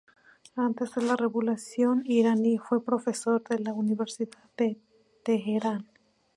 Antes de la revolución Iraní fue profesor de la Universidad de Teherán.